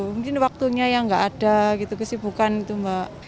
mungkin waktunya yang nggak ada gitu kesibukan itu mbak